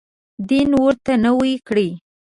دین ورته نوی کړي.